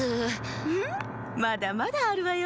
フフフまだまだあるわよ。